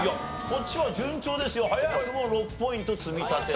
こっちは順調ですよ。早くも６ポイント積み立て。